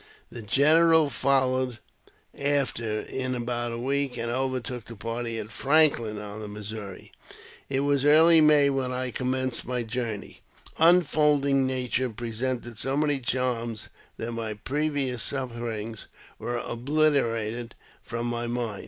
The general followed after in about a week, and overtook the party at Franklin, on the Missouri. It was early May when I commenced my journey. Un folding Nature presented so many charms that my previous sufferings were obliterated from my mind.